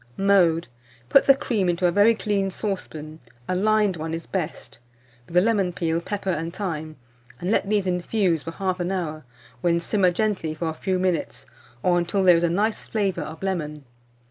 Mode. Put the cream into a very clean saucepan (a lined one is best), with the lemon peel, pepper, and thyme, and let these infuse for 1/2 hour, when simmer gently for a few minutes, or until there is a nice flavour of lemon.